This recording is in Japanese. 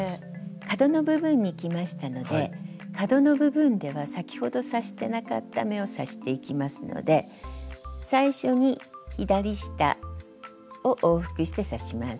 角の部分にきましたので角の部分では先ほど刺してなかった目を刺していきますので最初に左下を往復して刺します。